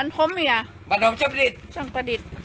ใช่ใช่